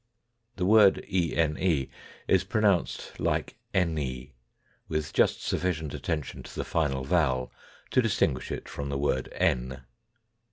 The word " ene " is pronounced like " eny," with just sufficient attention to the final vowel to distinguish it from the word " en."